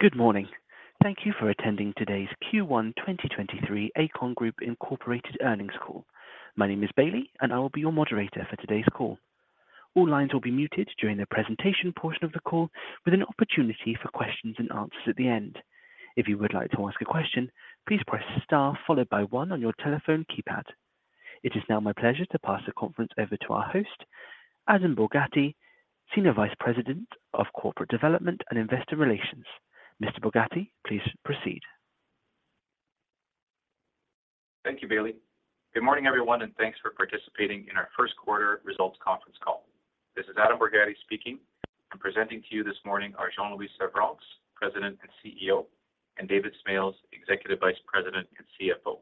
Good morning. Thank you for attending today's Q1 2023 Aecon Group Inc. earnings call. My name is Bailey, and I will be your moderator for today's call. All lines will be muted during the presentation portion of the call with an opportunity for questions and answers at the end. If you would like to ask a question, please press star followed by one on your telephone keypad. It is now my pleasure to pass the conference over to our host, Adam Borgatti, Senior Vice President of Corporate Development and Investor Relations. Mr. Borgatti, please proceed. Thank you, Bailey. Good morning, everyone. Thanks for participating in our Q1 results conference call. This is Adam Borgatti speaking. Presenting to you this morning are Jean-Louis Servranckx, President and CEO, and David Smales, Executive Vice President and CFO.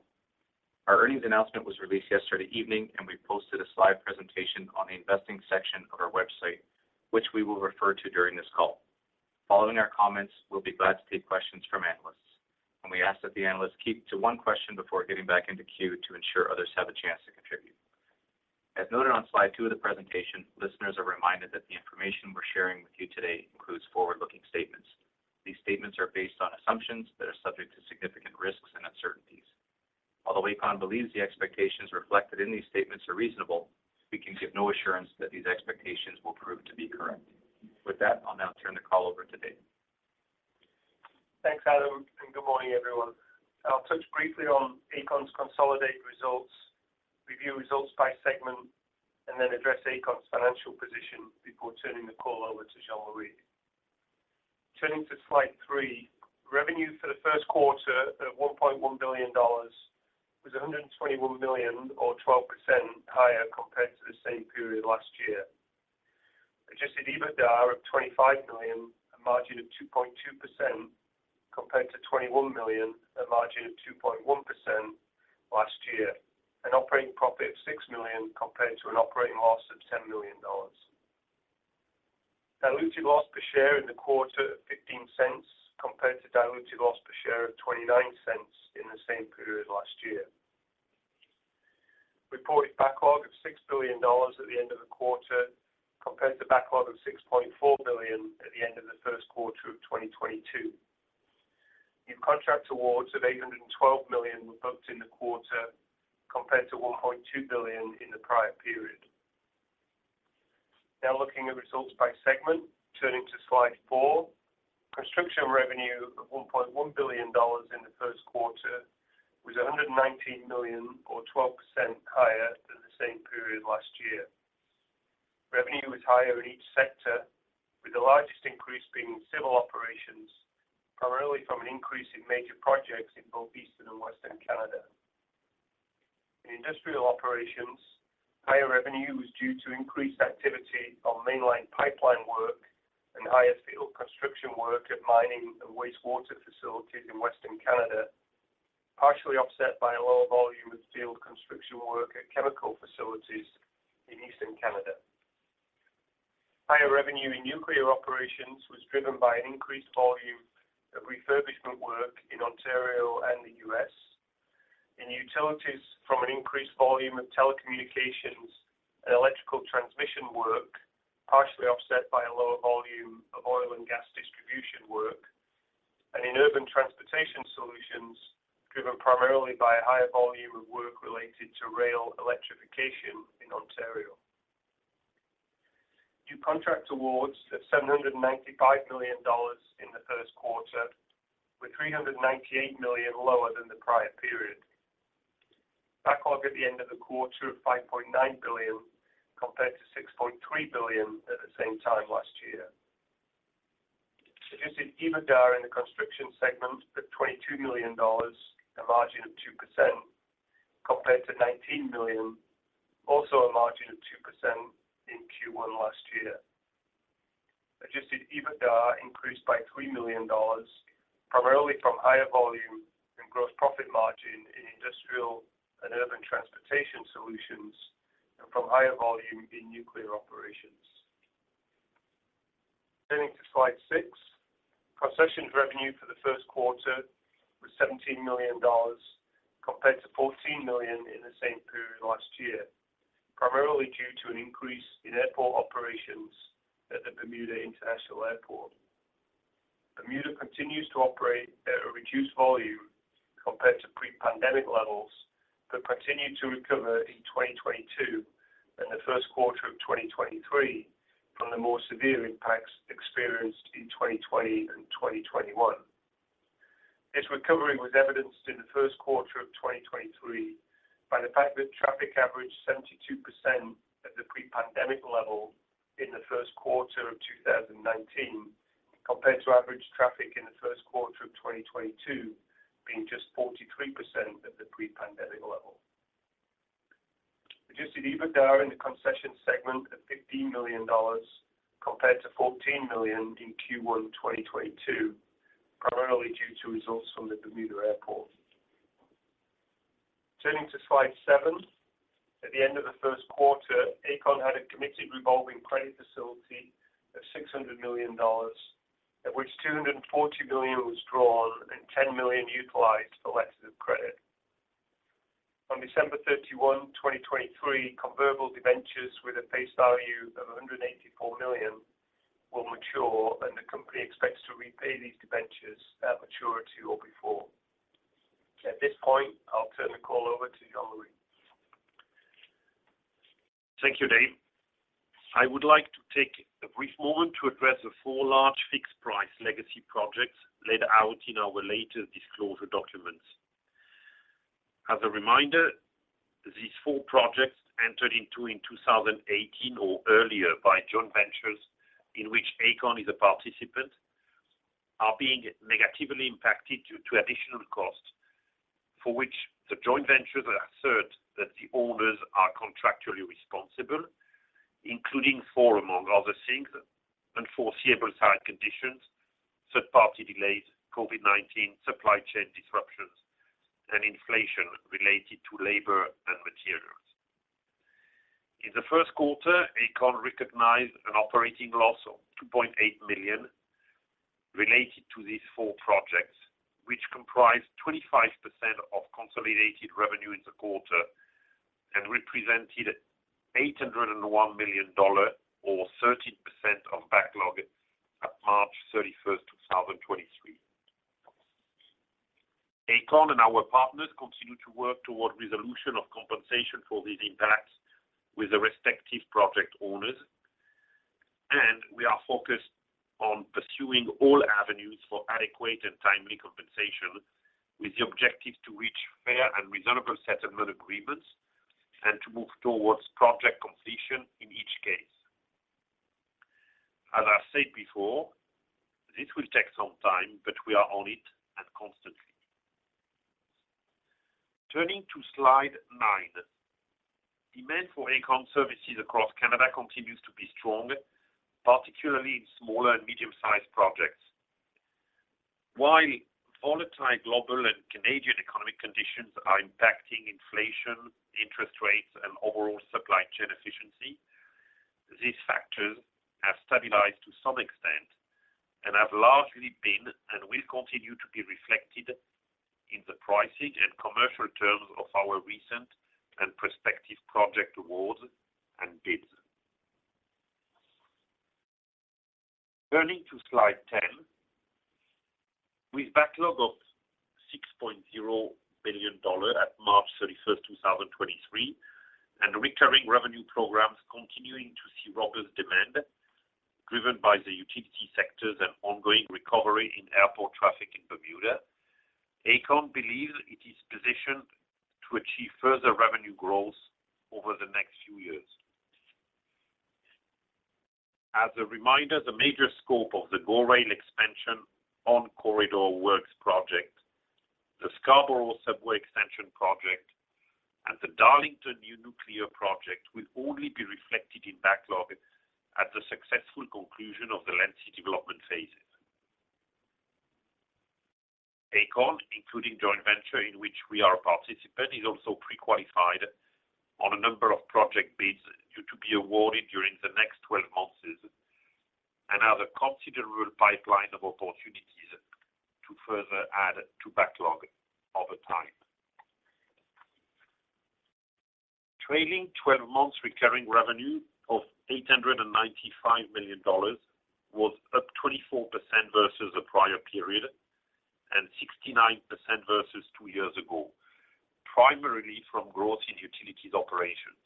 Our earnings announcement was released yesterday evening. We posted a slide presentation on the investing section of our website, which we will refer to during this call. Following our comments, we will be glad to take questions from analysts. We ask that the analysts keep to one question before getting back into queue to ensure others have a chance to contribute. As noted on slide two of the presentation, listeners are reminded that the information we are sharing with you today includes forward-looking statements. These statements are based on assumptions that are subject to significant risks and uncertainties. Although Aecon believes the expectations reflected in these statements are reasonable, we can give no assurance that these expectations will prove to be correct. With that, I'll now turn the call over to David. Thanks, Adam. Good morning, everyone. I'll touch briefly on Aecon's consolidated results, review results by segment, and then address Aecon's financial position before turning the call over to Jean-Louis. Turning to slide 3, revenue for Q1 at 1.1 billion dollars was 121 million or 12% higher compared to the same period last year. Adjusted EBITDA of 25 million, a margin of 2.2% compared to 21 million, a margin of 2.1% last year. An operating profit of 6 million compared to an operating loss of 10 million dollars. Diluted loss per share in the quarter of 0.15 compared to diluted loss per share of 0.29 in the same period last year. Reported backlog of 6 billion dollars at the end of the quarter compared to backlog of 6.4 billion at the end of the Q1 of 2022. New contract awards of 812 million were booked in the quarter compared to 1.2 billion in the prior period. Now looking at results by segment. Turning to slide 4. Construction revenue of 1.1 billion dollars in the Q1 was 119 million or 12% higher than the same period last year. Revenue was higher in each sector, with the largest increase being in civil operations, primarily from an increase in major projects in both Eastern and Western Canada. In industrial operations, higher revenue was due to increased activity on mainline pipeline work and higher field construction work at mining and wastewater facilities in Western Canada, partially offset by a lower volume of field construction work at chemical facilities in Eastern Canada. Higher revenue in nuclear operations was driven by an increased volume of refurbishment work in Ontario and the US. In utilities from an increased volume of telecommunications and electrical transmission work, partially offset by a lower volume of oil and gas distribution work. In urban transportation solutions, driven primarily by a higher volume of work related to rail electrification in Ontario. New contract awards of 795 million dollars in the Q1 were 398 million lower than the prior period. Backlog at the end of the quarter of 5.9 billion compared to 6.3 billion at the same time last year. Adjusted EBITDA in the construction segment at 22 million dollars, a margin of 2% compared to 19 million, also a margin of 2% in Q1 last year. Adjusted EBITDA increased by 3 million dollars, primarily from higher volume and gross profit margin in industrial and urban transportation solutions and from higher volume in nuclear operations. Turning to slide 6. Concessions revenue for the Q1 was 17 million dollars compared to 14 million in the same period last year, primarily due to an increase in airport operations at the Bermuda International Airport. Bermuda continues to operate at a reduced volume compared to pre-pandemic levels but continued to recover in 2022 and the Q1 of 2023 from the more severe impacts experienced in 2020 and 2021. This recovery was evidenced in the Q1 of 2023 by the fact that traffic averaged 72% at the pre-pandemic level in the Q1 of 2019, compared to average traffic in the Q1 of 2022 being just 43% of the pre-pandemic level. Adjusted EBITDA in the concession segment at $15 million compared to $14 million in Q1 2022, primarily due to results from the Bermuda Airport. Turning to slide seven. At the end of the Q1, Aecon had a committed revolving credit facility of $600 million, of which $240 million was drawn and $10 million utilized for letters of credit. On December 31, 2023, convertible debentures with a face value of $184 million will mature. The company expects to repay these debentures at maturity or before. At this point, I'll turn the call over to Jean-Louis. Thank you, David. I would like to take a brief moment to address the four large fixed-price legacy projects laid out in our latest disclosure documents. As a reminder, these four projects entered into in 2018 or earlier by joint ventures in which Aecon is a participant, are being negatively impacted due to additional costs, for which the joint ventures assert that the owners are contractually responsible, including for, among other things, unforeseeable site conditions, third-party delays, COVID-19, supply chain disruptions, and inflation related to labor and materials. In the Q1, Aecon recognized an operating loss of $2.8 million related to these four projects, which comprised 25% of consolidated revenue in the quarter and represented $801 million or 13% of backlog at March 31, 2023. Aecon and our partners continue to work toward resolution of compensation for these impacts with the respective project owners, and we are focused on pursuing all avenues for adequate and timely compensation with the objective to reach fair and reasonable settlement agreements and to move towards project completion in each case. As I said before, this will take some time, but we are on it and constantly. Turning to slide 9. Demand for Aecon services across Canada continues to be strong, particularly in smaller and medium-sized projects. While volatile global and Canadian economic conditions are impacting inflation, interest rates, and overall supply chain efficiency, these factors have stabilized to some extent and have largely been and will continue to be reflected in the pricing and commercial terms of our recent and prospective project awards and bids. Turning to slide 10. With backlog of 6.0 billion dollars at March 31, 2023, and recurring revenue programs continuing to see robust demand driven by the utility sectors and ongoing recovery in airport traffic in Bermuda, Aecon believes it is positioned to achieve further revenue growth over the next few years. As a reminder, the major scope of the GO Expansion On-Corridor Works Project, the Scarborough Subway Extension Project, and the Darlington New Nuclear Project will only be reflected in backlog at the successful conclusion of the leading development phases. Aecon, including joint venture in which we are a participant, is also pre-qualified on a number of project bids due to be awarded during the next 12 months and have a considerable pipeline of opportunities to further add to backlog over time. Trailing twelve months recurring revenue of 895 million dollars was up 24% versus the prior period and 69% versus two years ago, primarily from growth in utilities operations.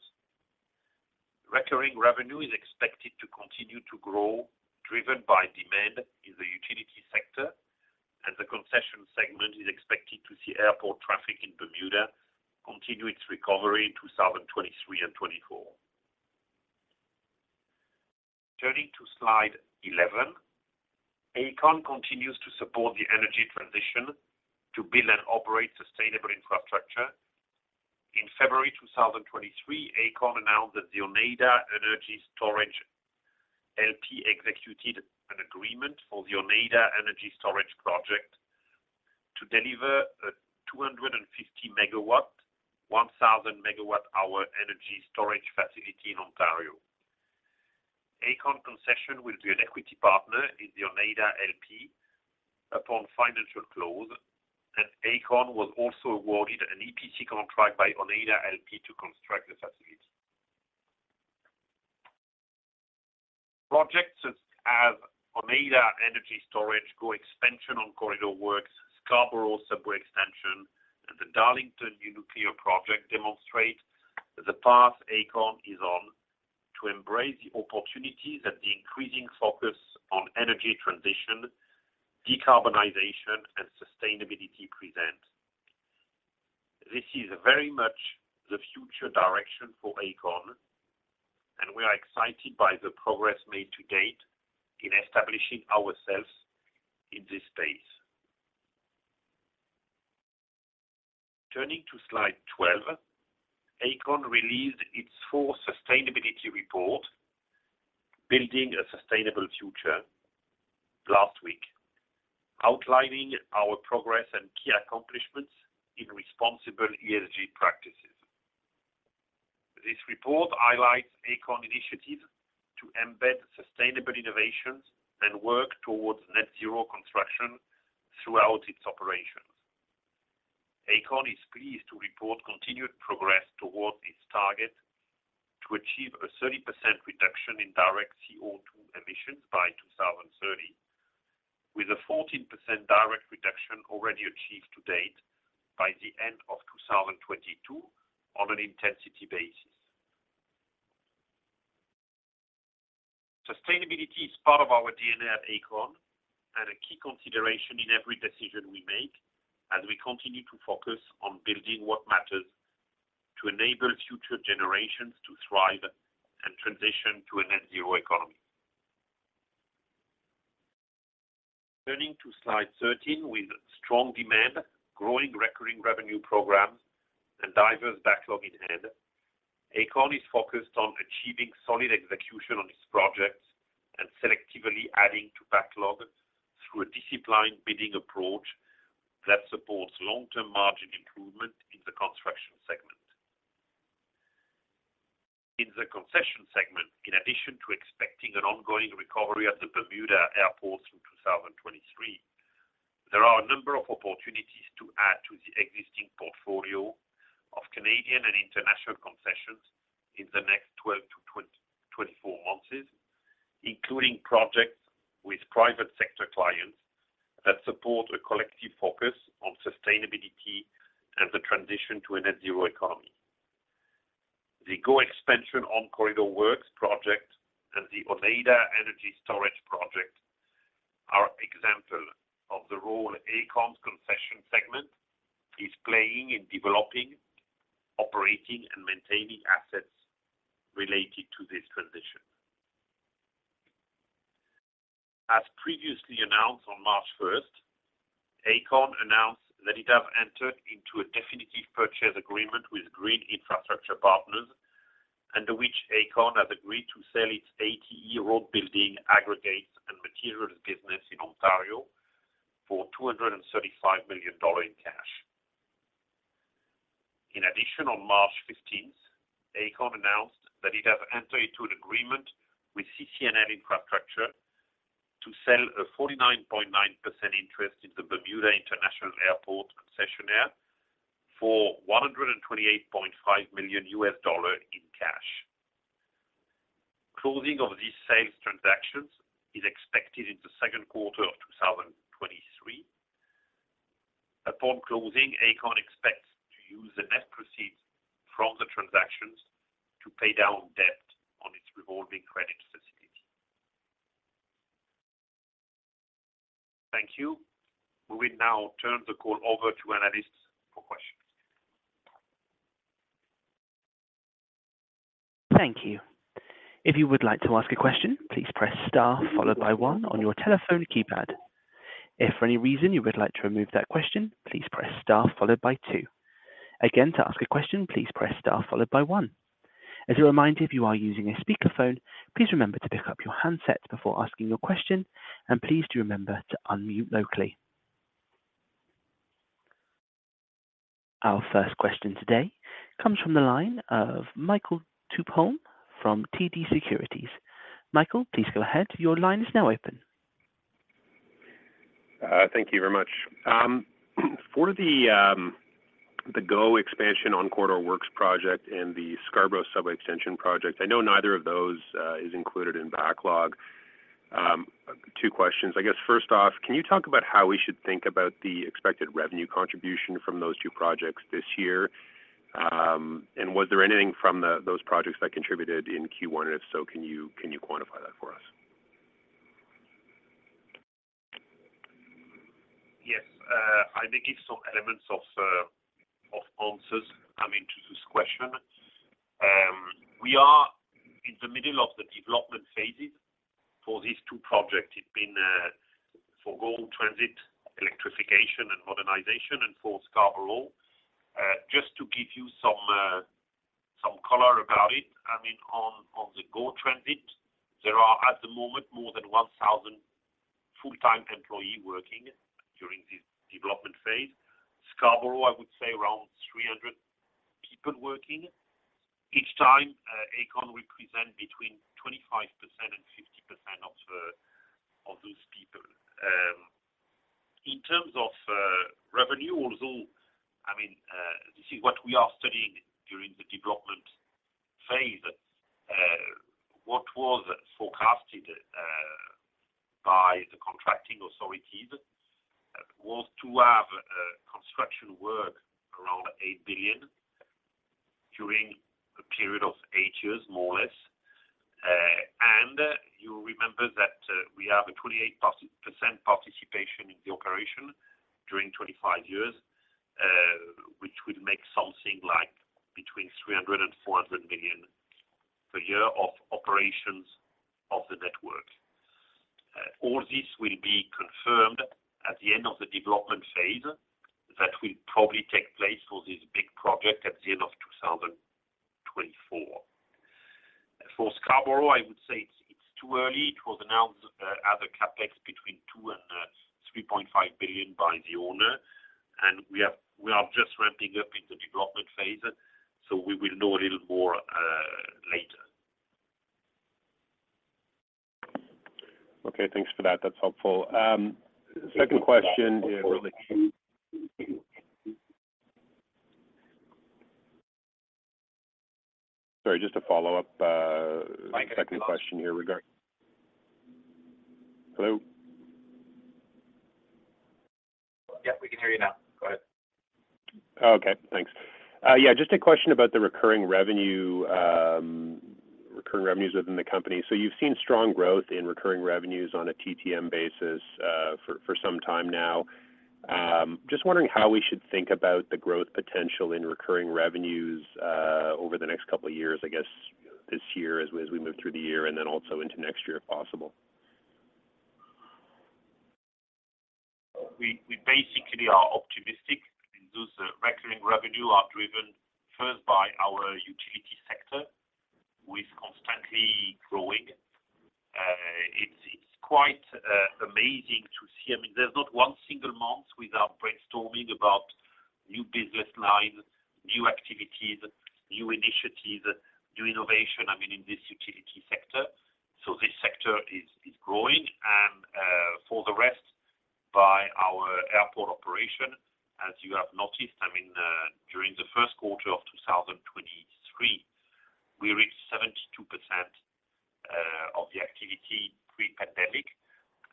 Recurring revenue is expected to continue to grow, driven by demand in the utility sector, as the concession segment is expected to see airport traffic in Bermuda continue its recovery in 2023 and 2024. Turning to slide 11. Aecon continues to support the energy transition to build and operate sustainable infrastructure. In February 2023, Aecon announced that the Oneida Energy Storage LP executed an agreement for the Oneida Energy Storage project to deliver a 250 MW, 1,000 MWh energy storage facility in Ontario. Aecon Concessions will be an equity partner in the Oneida LP upon financial close, Aecon was also awarded an EPC contract by Oneida LP to construct the facility. Projects such as Oneida Energy Storage, GO Expansion On-Corridor Works, Scarborough Subway Extension, and the Darlington New Nuclear Project demonstrate the path Aecon is on to embrace the opportunities that the increasing focus on energy transition, decarbonization, and sustainability present. This is very much the future direction for Aecon; we are excited by the progress made to date in establishing ourselves in this space. Turning to slide 12. Aecon released its fourth sustainability report, building a Sustainable Future, last week, outlining our progress and key accomplishments in responsible ESG practices. This report highlights Aecon initiatives to embed sustainable innovations and work towards net zero construction throughout its operations. Aecon is pleased to report continued progress towards its target to achieve a 30% reduction in direct CO₂ emissions by 2030, with a 14% direct reduction already achieved to date by the end of 2022 on an intensity basis. Sustainability is part of our DNA at Aecon and a key consideration in every decision we make as we continue to focus on building what matters to enable future generations to thrive and transition to a net zero economy. Turning to slide 13, with strong demand, growing recurring revenue programs and diverse backlog in hand, Aecon is focused on achieving solid execution on its projects and selectively adding to backlog through a disciplined bidding approach that supports long-term margin improvement in the construction segment. In the concession segment, in addition to expecting an ongoing recovery at the Bermuda Airport through 2023, there are a number of opportunities to add to the existing portfolio of Canadian and international concessions in the next 12 to 24 months, including projects with private sector clients that support a collective focus on sustainability and the transition to a net zero economy. The GO Expansion On-Corridor Works Project and the Oneida Energy Storage project are example of the role Aecon's concession segment is playing in developing, operating, and maintaining assets related to this transition. As previously announced on March first, Aecon announced that it has entered into a definitive purchase agreement with Green Infrastructure Partners, under which Aecon has agreed to sell its ATE road building aggregates and materials business in Ontario for 235 million dollars in cash. In addition, on March 15th, Aecon announced that it has entered into an agreement with CC&L Infrastructure to sell a 49.9% interest in the Bermuda International Airport concessionaire for $128.5 million in cash. Closing of these sales transactions is expected in the Q2 of 2023. Upon closing, Aecon expects to use the net proceeds from the transactions to pay down debt on its revolving credit facility. Thank you. We will now turn the call over to analysts for questions. Thank you. If you would like to ask a question, please press star followed by 1 on your telephone keypad. If for any reason you would like to remove that question, please press star followed by 2. Again, to ask a question, please press star followed by 1. As a reminder, if you are using a speaker phone, please remember to pick up your handset before asking your question, and please do remember to unmute locally. Our first question today comes from the line of Michael Tupholme from TD Securities. Michael, please go ahead. Your line is now open. Thank you very much for the GO Expansion On-Corridor Works Project and the Scarborough Subway Extension project, I know neither of those is included in backlog. Two questions. I guess, first off, can you talk about how we should think about the expected revenue contribution from those two projects this year? was there anything from those projects that contributed in Q1? If so, can you quantify that for us? Yes. I may give some elements of answers coming to this question. We are in the middle of the development phases for these two projects. It's been for GO Transit electrification and modernization and for Scarborough. Just to give you some color about it, I mean, on the GO Transit, there are, at the moment, more than 1,000 full-time employee working during this development phase. Scarborough, I would say around 300 people working. Each time, Aecon will present between 25% and 50% of those people. In terms of revenue, although, I mean, this is what we are studying during the development phase. What was forecasted by the contracting authorities was to have construction work around $8 billion during a period of 8 years, more or less. You remember that, we have a 28% participation in the operation during 25 years, which will make something like between $300 million-$400 million per year of operations of the network. All this will be confirmed at the end of the development phase. That will probably take place for this big project at the end of 2024. For Scarborough, I would say it's too early. It was announced as a CapEx between $2 billion and $3.5 billion by the owner. We are just ramping up in the development phase, so we will know a little more later. Okay, thanks for that. That's helpful. Second question. Sorry, just to follow up. Mike, can you hear us? Second question here. Hello? Yeah, we can hear you now. Go ahead. Okay. Thanks. Yeah, just a question about the recurring revenue, recurring revenues within the company. You've seen strong growth in recurring revenues on a TTM basis for some time now. Just wondering how we should think about the growth potential in recurring revenues over the next couple of years, I guess this year as we move through the year and then also into next year, if possible. We basically are optimistic. Those recurring revenue are driven first by our utility sector, which constantly growing. It's quite amazing to see. I mean, there's not one single month without brainstorming about new business lines, new activities, new initiatives, new innovation, I mean, in this utility sector. This sector is growing. For the rest, by our airport operation, as you have noticed, I mean, during the Q1 of 2023, we reached 72% of the activity pre-pandemic,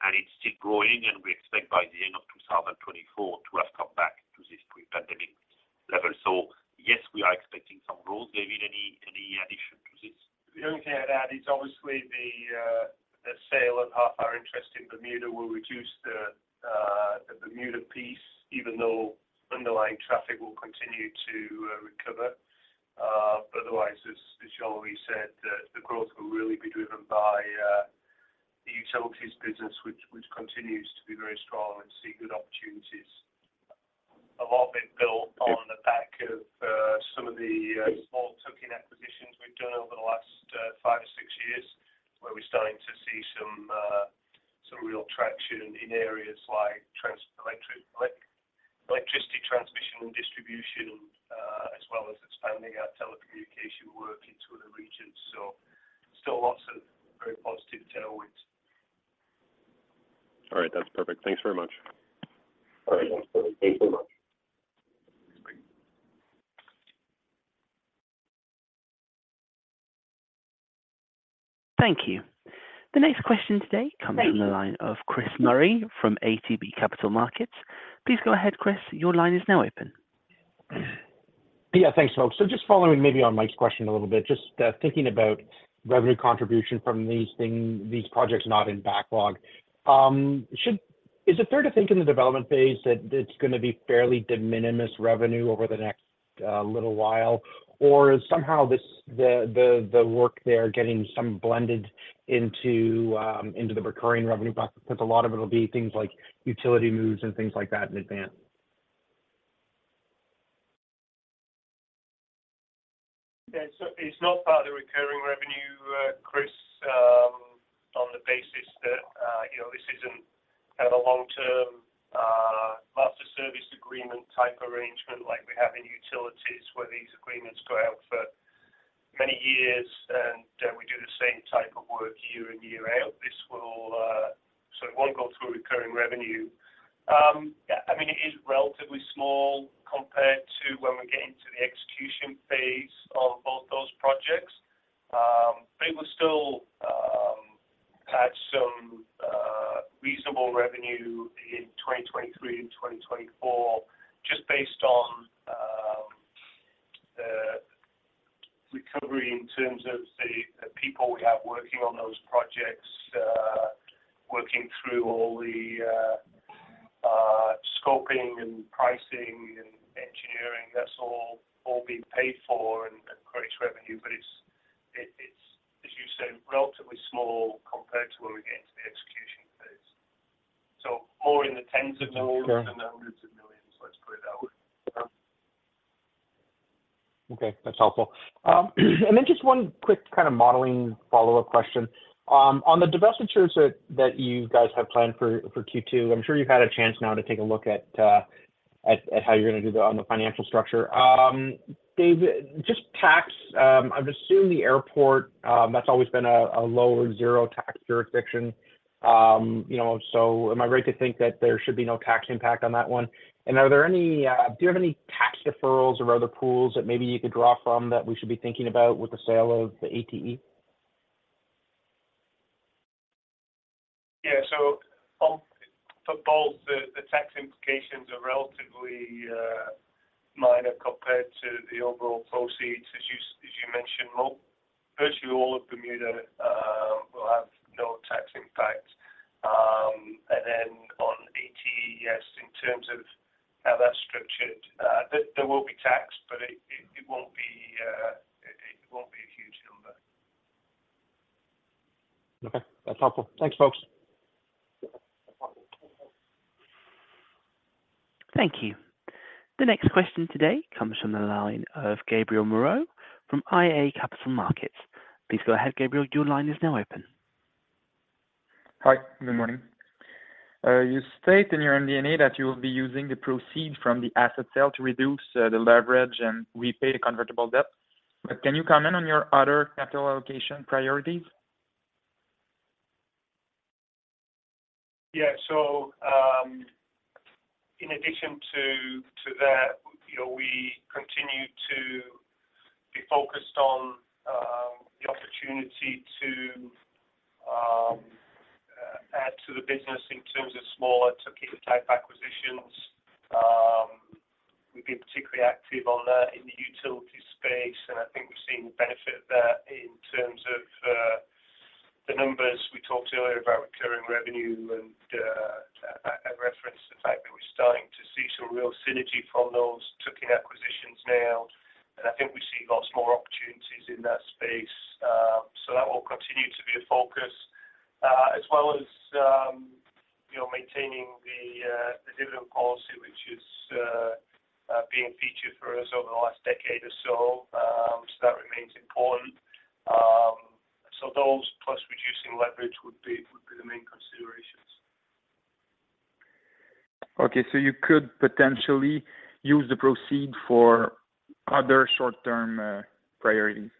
and it's still growing, and we expect by the end of 2024 to have come back to this pre-pandemic level. Yes, we are expecting some growth. David, any addition to this? The only thing I'd add is obviously the sale of half our interest in Bermuda will reduce the Bermuda piece, even though underlying traffic will continue to recover. Otherwise, as Jean-Louis said, the growth will really be driven by the utilities business, which continues to be very strong and see good opportunities. A lot have been built on the back of some of the small token acquisitions we've done over the last five or six years, where we're starting to see some real traction in areas like electricity transmission and distribution, as well as expanding our telecommunication work into other regions. Still, lots of very positive tailwinds. All right. That's perfect. Thanks very much. All right. Thanks so much. Thank you so much. Thanks. Bye. Thank you. The next question today comes from the line of Chris Murray from ATB Capital Markets. Please go ahead, Chris. Your line is now open. Thanks, folks. Just following maybe on Mike's question a little bit, just thinking about revenue contribution from these things, these projects not in backlog. Is it fair to think in the development phase that it's gonna be fairly de minimis revenue over the next little while? Or is somehow this the work there getting some blended into the recurring revenue bucket cause a lot of it will be things like utility moves and things like that in advance? It's not part of the recurring revenue, Chris, on the basis that, you know, this isn't kind of a long-term master service agreement type arrangement like we have in utilities, where these agreements go out for many years, and we do the same type of work year in, year out. It won't go through recurring revenue. I mean, it is relatively small compared to when we get into the execution phase of both those projects. It will still add some reasonable revenue in 2023 and 2024 just based on recovery in terms of the people we have working on those projects, working through all the scoping and pricing and engineering that's all being paid for and creates revenue. It's, as you say, relatively small compared to when we get into the execution phase. More in the CAD tens of millions. Sure. than the CAD hundreds of millions, let's put it that way. Okay. That's helpful. Then just one quick kind of modeling follow-up question. On the divestitures that you guys have planned for Q2, I'm sure you've had a chance now to take a look at how you're gonna do the, on the financial structure. Dave, just tax, I'm assuming the airport, that's always been a low or zero tax jurisdiction. You know, am I right to think that there should be no tax impact on that one? Are there any, do you have any tax deferrals or other pools that maybe you could draw from that we should be thinking about with the sale of the ATE? Yeah. For both, the tax implications are relatively minor compared to the overall proceeds, as you mentioned. Well, virtually all of Bermuda will have no tax impact. Then on ATE, yes, in terms of how that's structured, there will be tax, but it won't be a huge number. Okay. That's helpful. Thanks, folks. Thank you. The next question today comes from the line of Gabriel Moreau from iA Capital Markets. Please go ahead, Gabriel. Your line is now open. Hi, good morning. You state in your MD&A that you will be using the proceeds from the asset sale to reduce the leverage and repay the convertible debt, but can you comment on your other capital allocation priorities? Yeah. In addition to that, you know, we continue to be focused on the opportunity to add to the business in terms of smaller ticket type acquisitions. We've been particularly active on that in the utility space, and I think we've seen the benefit of that in terms of the numbers we talked earlier about recurring revenue and I referenced the fact that we're starting to see some real synergy from those ticket acquisitions now, and I think we see lots more opportunities in that space. That will continue to be a focus as well as, you know, maintaining the dividend policy, which is being featured for us over the last decade or so. That remains important. Those plus reducing leverage would be the main considerations. You could potentially use the proceed for other short-term priorities.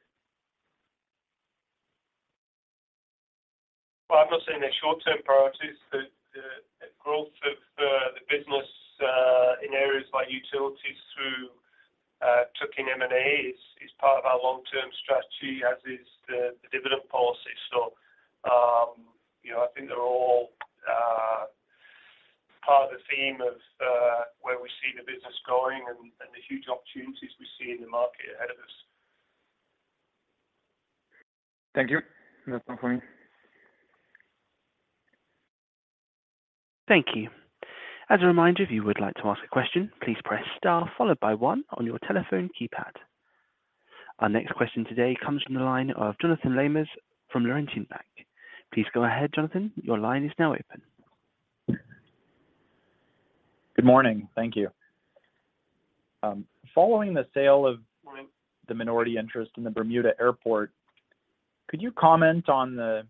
Well, I'm not saying they're short-term priorities. The growth of the business in areas like utilities through tuck in M&A is part of our long-term strategy, as is the dividend policy. You know, I think they're all part of the theme of where we see the business going and the huge opportunities we see in the market ahead of us. Thank you. That's all for me. Thank you. As a reminder, if you would like to ask a question, please press star followed by one on your telephone keypad. Our next question today comes from the line of Jonathan Lamers from Laurentian Bank. Please go ahead, Jonathan. Your line is now open. Good morning. Thank you. Following the sale of the minority interest in the Bermuda Airport, could you comment on the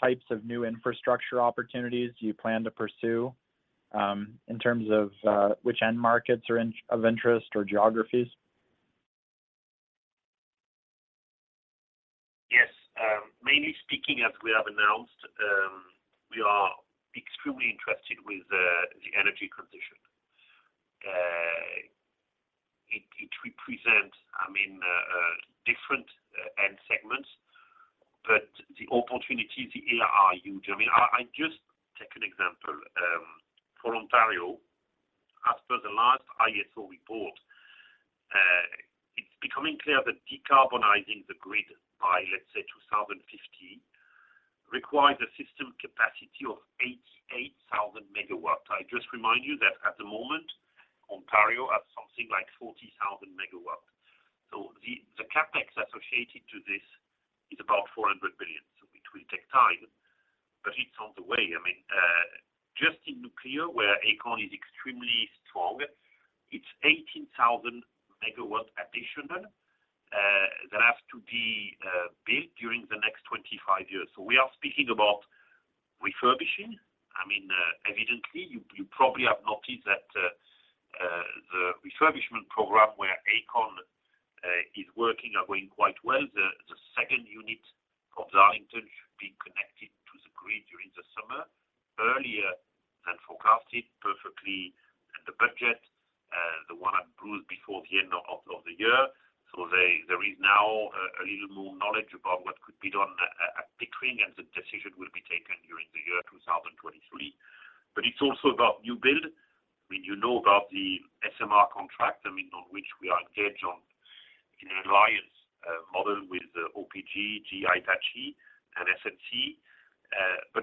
types of new infrastructure opportunities you plan to pursue, in terms of which end markets are of interest or geographies? Yes. Mainly speaking, as we have announced, we are extremely interested with the energy transition. It represents, I mean, different end segments, but the opportunities here are huge. I mean, I just take an example for Ontario, as per the last IESO report, it's becoming clear that decarbonizing the grid by 2050 requires a system capacity of 88,000 megawatt. I just remind you that at the moment, Ontario has 40,000 megawatt. The CapEx associated to this is about 400 billion, which will take time, but it's on the way. I mean, just in nuclear, where Aecon is extremely strong, it's 18,000 megawatt additional that has to be built during the next 25 years. We are speaking about refurbishing. I mean, evidently, you probably have noticed that the refurbishment program where Aecon is working are going quite well. The second unit of Darlington should be connected to the grid during the summer, earlier than forecasted, perfectly under budget. The one at Bruce before the end of the year. There is now a little more knowledge about what could be done at Pickering, and the decision will be taken during the year 2023. It's also about new build. I mean, you know about the SMR contract, I mean, on which we are engaged on in alliance model with OPG, GE Hitachi and SNC,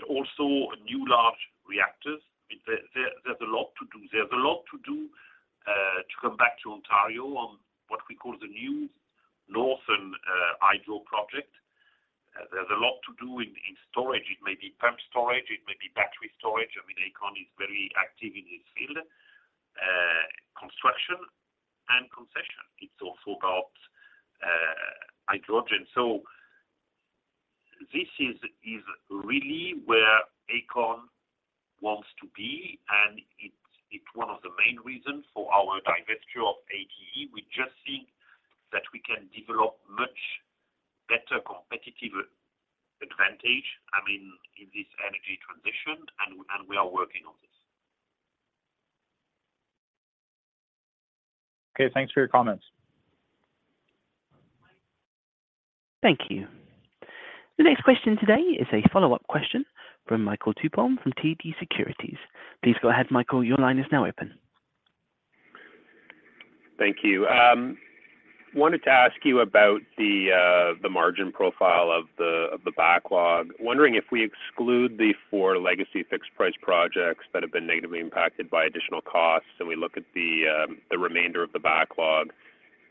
also new large reactors. I mean, there's a lot to do. There's a lot to do, to come back to Ontario on what we call the new northern hydro project. There's a lot to do in storage. It may be pumped storage; it may be battery storage. I mean, Aecon is very active in this field. Construction and concession. It's also about hydrogen. This is really where Aecon wants to be, and it's one of the main reasons for our divesture of ATE. We just think that we can develop much better competitive advantage, I mean, in this energy transition, and we are working on this. Okay, thanks for your comments. Thank you. The next question today is a follow-up question from Michael Tupholme from TD Securities. Please go ahead, Michael. Your line is now open. Thank you. wanted to ask you about the margin profile of the backlog. Wondering if we exclude the 4 legacy fixed price projects that have been negatively impacted by additional costs, and we look at the remainder of the backlog.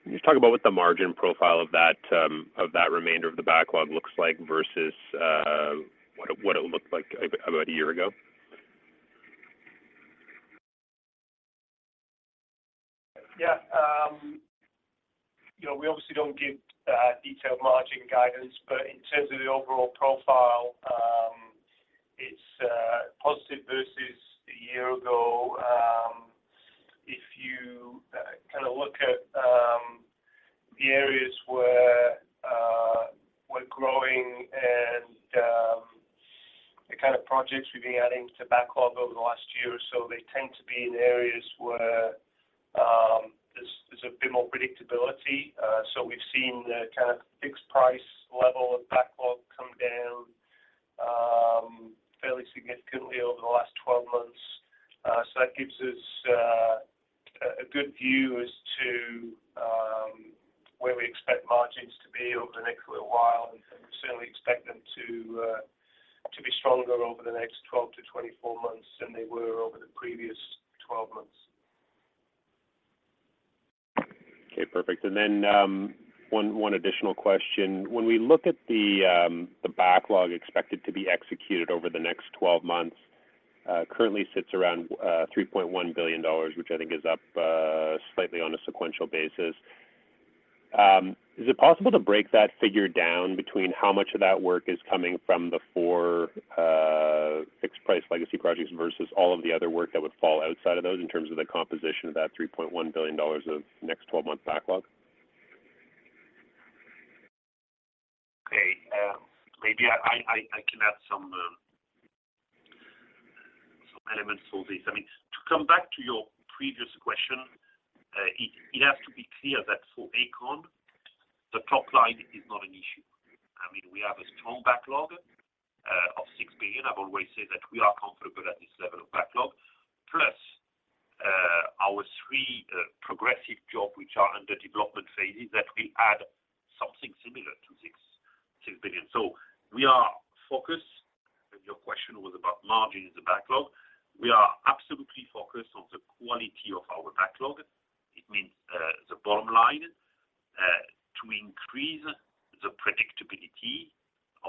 Can you talk about what the margin profile of that remainder of the backlog looks like versus what it looked like about a year ago? Yeah. you know, we obviously don't give detailed margin guidance. In terms of the overall profile, it's positive versus a year ago. If you kind of look at the areas where we're growing and the kind of projects we've been adding to backlog over the last year or so, they tend to be in areas where there's a bit more predictability. We've seen the kind of fixed price level of backlog come down fairly significantly over the last 12 months. That gives us a good view as to where we expect margins to be over the next little while, and we certainly expect them to be stronger over the next 12-24 months than they were over the previous 12 months. Perfect. Then, one additional question. When we look at the backlog expected to be executed over the next 12 months, currently sits around $3.1 billion, which I think is up slightly on a sequential basis. Is it possible to break that figure down between how much of that work is coming from the four fixed price legacy projects versus all of the other work that would fall outside of those in terms of the composition of that $3.1 billion of next 12 months backlog? Maybe I can add some elements for this. I mean, to come back to your previous question, it has to be clear that for Aecon, the top line is not an issue. I mean, we have a strong backlog of 6 billion. I've always said that we are comfortable at this level of backlog. Plus, our three progressive design-build which are under development phases that will add something similar to 6 billion. We are focused. Your question was about margin in the backlog. We are absolutely focused on the quality of our backlog. It means the bottom line to increase the predictability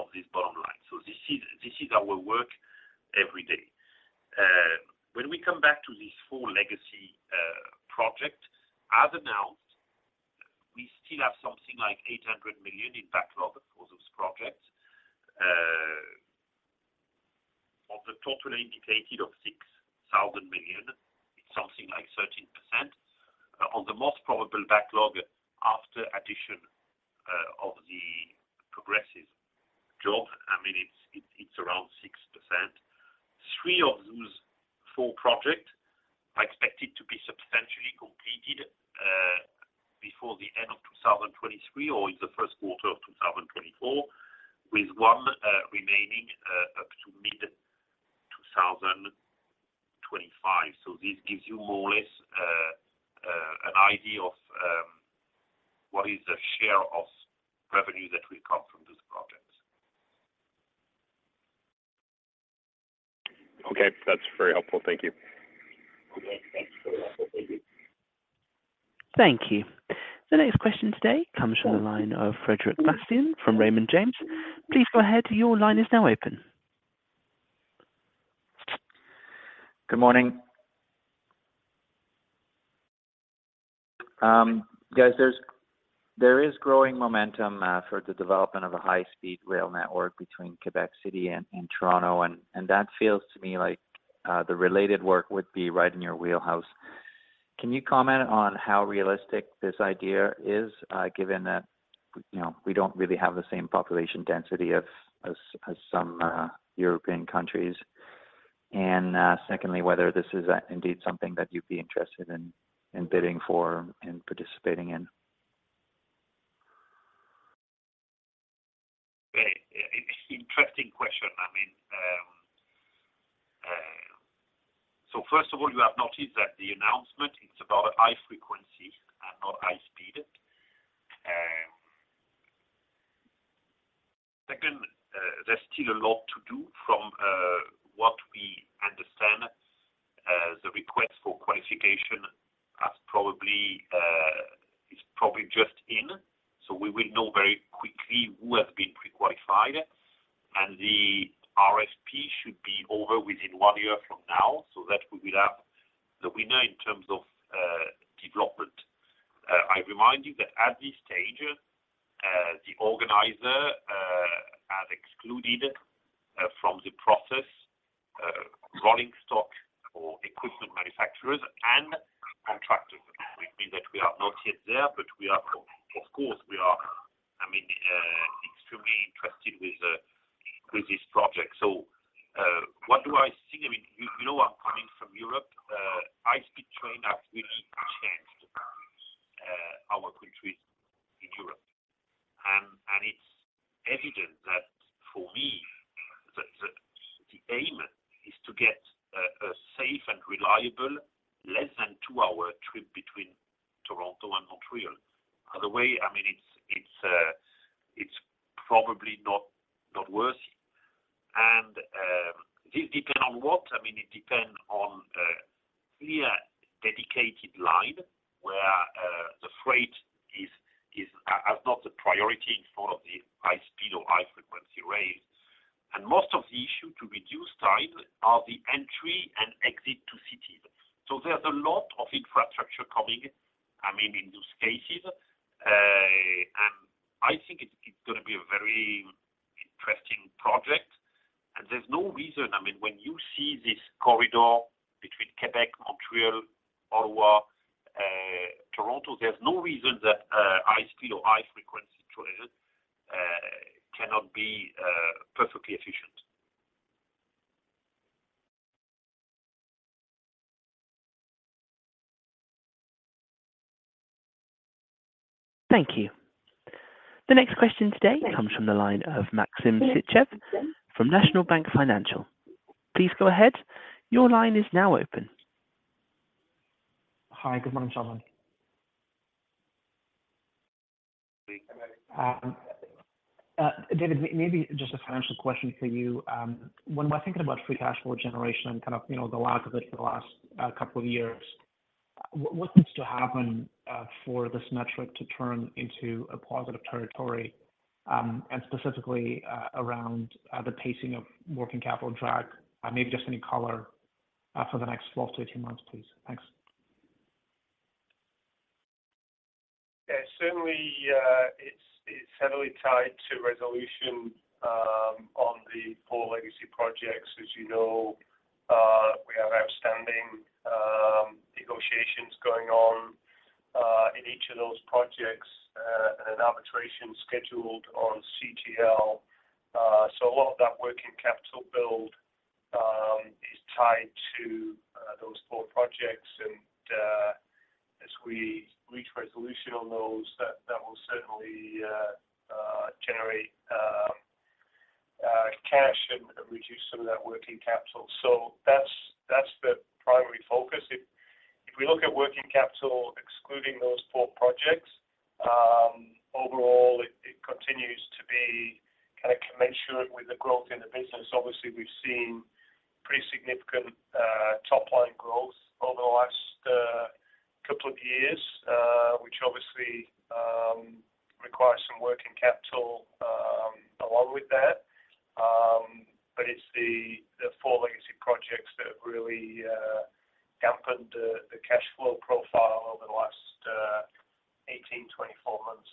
of this bottom line. This is our work every day. When we come back to these four-legacy project, as announced, we still have something like 800 million in backlog for those projects. Of the total indicated of 6,000 million, it's something like 13%. On the most probable backlog after addition of the progressive design-build, I mean, it's around 6%. Three of those four project are expected to be substantially completed before the end of 2023 or in the Q1 of 2024, with one remaining up to mid-2025. This gives you more or less an idea of what is the share of revenue that will come from this project. Okay. That's very helpful. Thank you. Okay. Thank you for that. Thank you. The next question today comes from the line of Frederic Bastien from Raymond James. Please go ahead. Your line is now open. Good morning. Guys, there is growing momentum for the development of a high-speed rail network between Quebec City and Toronto, and that feels to me like the related work would be right in your wheelhouse. Can you comment on how realistic this idea is, given that, you know, we don't really have the same population density as some European countries? Secondly, whether this is indeed something that you'd be interested in bidding for and participating in. Okay. Interesting question. I mean, first of all, you have noticed that the announcement, it's about high frequency and not high speed. Second, there's still a lot to do from what we understand as a RFQ is probably just in, we will know very quickly who has been prequalified. The RFP should be over within 1 year from now, so that we will have the winner in terms of development. I remind you that at this stage, the organizer has excluded from the process rolling stock or equipment manufacturers and contractors. Which means that we are not yet there, but we are, of course, we are, I mean, extremely interested with this project. What do I think? I mean, you know I'm coming from Europe. High-speed train has really changed our countries in Europe. It's evident that for me, the aim is to get a safe and reliable less than two-hour trip between Toronto and Montreal. By the way, I mean, it's probably not worth It. It depends on what. I mean, it depends on a clear dedicated line where the freight has not the priority for the high speed or high frequency rails. Most of the issue to reduce time are the entry and exit to cities. There's a lot of infrastructure coming, I mean, in those cases. I think it's gonna be a very interesting project. There's no reason. I mean, when you see this corridor between Quebec, Montreal, Ottawa, Toronto, there's no reason that high speed or high frequency train cannot be perfectly efficient. Thank you. The next question today comes from the line of Maxim Sytchev from National Bank Financial. Please go ahead. Your line is now open. Hi. Good morning, gentlemen. David, maybe just a financial question for you? When we're thinking about free cash flow generation and kind of, you know, the lack of it for the last couple of years, what needs to happen for this metric to turn into a positive territory, and specifically around the pacing of working capital drag? Maybe just any color for the next 12 to 18 months, please. Thanks. Yeah. Certainly, it's heavily tied to resolution on the four legacy projects. As you know, we have outstanding negotiations going on in each of those projects, and an arbitration scheduled on CGL. A lot of that working capital build is tied to those four projects. As we reach resolution on those, that will certainly generate cash and reduce some of that working capital. That's the primary focus. If we look at working capital excluding those four projects, overall, it continues to be kinda commensurate with the growth in the business. Obviously, we've seen pretty significant top line growth over the last couple of years, which obviously requires some working capital along with that. It's the four legacy projects that have really dampened the cash flow profile over the last 18, 24 months.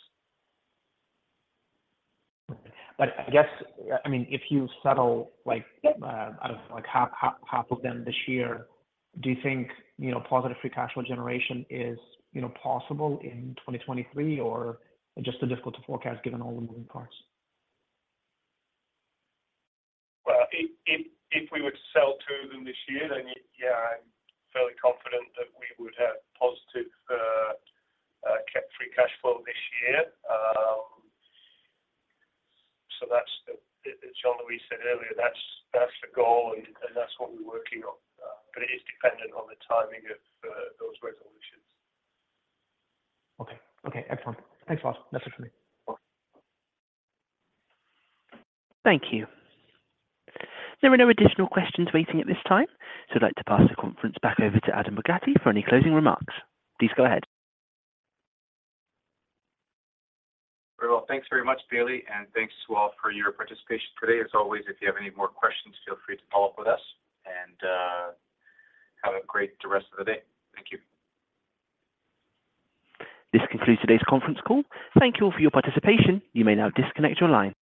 I guess, I mean, if you settle, like, I don't know, like half of them this year, do you think, you know, positive free cash flow generation is, you know, possible in 2023 or just too difficult to forecast given all the moving parts? If we were to sell two of them this year, then yeah, I'm fairly confident that we would have positive free cash flow this year. That's the As Jean-Louis said earlier, that's the goal and that's what we're working on. It is dependent on the timing of those resolutions. Okay. Okay, excellent. Thanks a lot. That's it for me. Thank you. There are no additional questions waiting at this time, so I'd like to pass the conference back over to Adam Borgatti for any closing remarks. Please go ahead. Very well. Thanks very much, Bailey, and thanks to all for your participation today. As always, if you have any more questions, feel free to follow up with us, and have a great the rest of the day. Thank you. This concludes today's conference call. Thank you all for your participation. You may now disconnect your line.